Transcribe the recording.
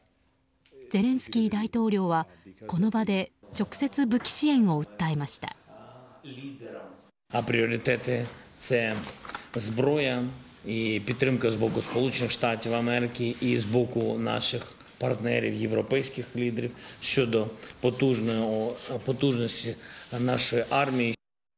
ゼレンスキー大統領はこの場で直接武器支援を訴えました。